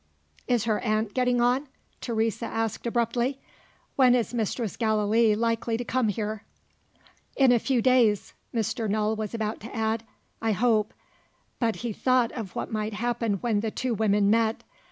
"Is her aunt getting on?" Teresa asked abruptly. "When is Mistress Gallilee likely to come here?" "In a few days " Mr. Null was about to add "I hope;" but he thought of what might happen when the two women met.